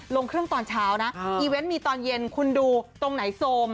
ลงเครื่องตอนเช้านะอีเวนต์มีตอนเย็นคุณดูตรงไหนโซม